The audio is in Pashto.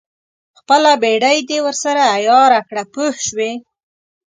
خپله بېړۍ دې ورسره عیاره کړه پوه شوې!.